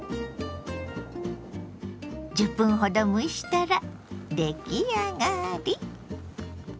１０分ほど蒸したら出来上がり！